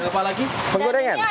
jadi pokoknya pada intinya